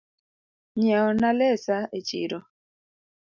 Nyieo na lesa e chiro